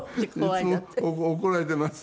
いつも怒られています。